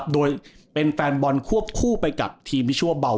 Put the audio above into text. โดยเป็นแฟนบอลควบคู่ไปกับทีมที่ชื่อว่าเบา